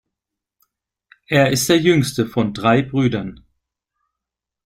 Er ist der jüngste von drei Brüdern.